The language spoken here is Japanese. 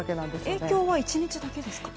影響は１日だけですか？